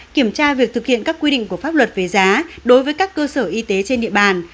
kiểm tra việc thực hiện các quy định của pháp luật về giá đối với các cơ sở y tế trên địa bàn